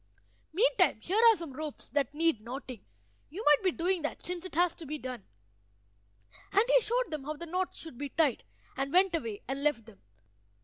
Meantime here are some ropes that need knotting; you might be doing that, since it has to be done." And he showed them how the knots should be tied, and went away and left them.